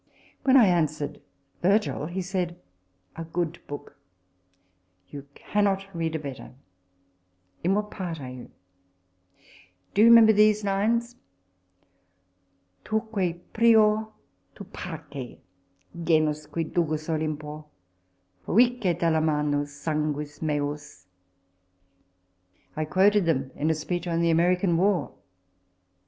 When I answered, " Virgil," he said, " A good book ! you cannot read a better. In what" part are you ? Do you remem ber these lines ?' Tuque prior, tu parce, genus qui ducis Olympo ; Projice tela manu, sanguis meus.' "* I quoted them in a speech on the American War.